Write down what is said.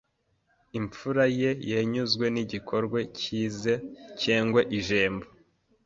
Imfure iyo yenyuzwe n’igikorwe cyize cyengwe ijembo